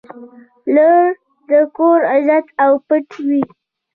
• لور د کور عزت او پت وي.